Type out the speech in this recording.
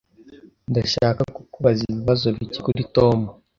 Ndashaka kukubaza ibibazo bike kuri Tom.